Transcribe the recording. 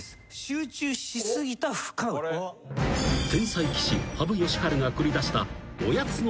［天才棋士羽生善治が繰り出した］